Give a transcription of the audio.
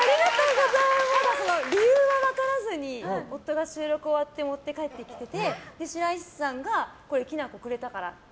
ただ、理由は分からずに夫が収録終わって持って帰ってきてて白石さんがきな粉くれたからって。